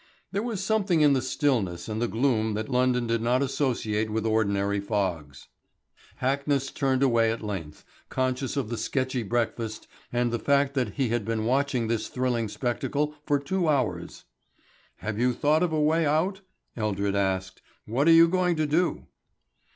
There was something in the stillness and the gloom that London did not associate with ordinary fogs. Hackness turned away at length, conscious of his sketchy breakfast and the fact that he had been watching this thrilling spectacle for two hours. "Have you thought of a way out?" Eldred asked. "What are you going to do?"